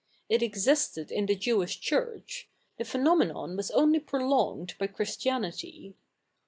It existed in the Jeivish Church ; the phenomenon was only prolofiged by Christianity.